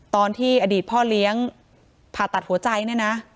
ตอนที่อดีตพ่อเลี้ยงผ่าตัดหัวใจเนี่ยนะ